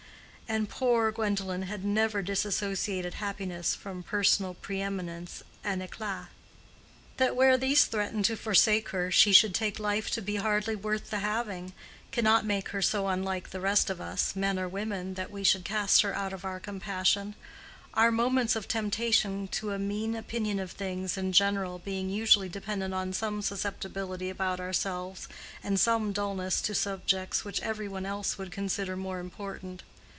And poor Gwendolen had never dissociated happiness from personal pre eminence and éclat. That where these threatened to forsake her, she should take life to be hardly worth the having, cannot make her so unlike the rest of us, men or women, that we should cast her out of our compassion; our moments of temptation to a mean opinion of things in general being usually dependent on some susceptibility about ourselves and some dullness to subjects which every one else would consider more important.